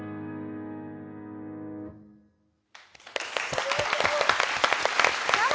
すごい。